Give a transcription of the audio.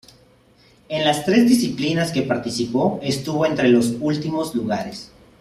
En las tres disciplinas que participó, estuvo entre los últimos lugares.